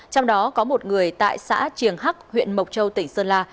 trong đó có một người tại xã triềng hắc huyện mộc châu tỉnh sơn la